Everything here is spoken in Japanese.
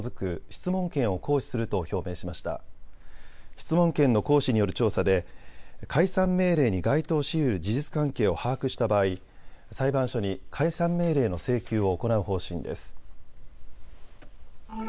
質問権の行使による調査で解散命令に該当しうる事実関係を把握した場合、裁判所に解散命令の請求を行う方針です。